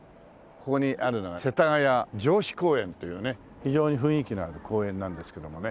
ここにあるのが世田谷城阯公園というね非常に雰囲気のある公園なんですけどもね。